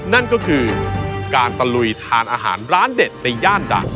นั่นก็คือการตะลุยทานอาหารร้านเด็ดในย่านดัง